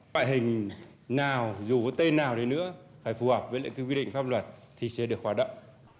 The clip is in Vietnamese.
vại hình nào dù có tên nào nữa phải phù hợp với quy định pháp luật thì sẽ được hoạt động